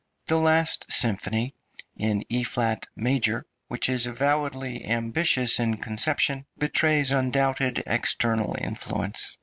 The last symphony, in E flat major, which is avowedly ambitious in conception, betrays undoubted external influence.